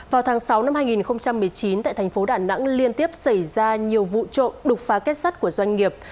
vào tháng sáu năm hai nghìn một mươi chín tại thành phố đà nẵng liên tiếp xảy ra nhiều vụ trộm đột phá kết sắt của doanh nghiệp